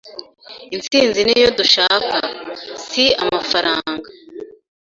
insinzi ni yo dushaka, si amafaranga.